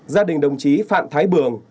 gia đình đồng chí phạm thái bường